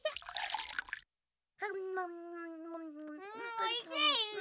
おいしい！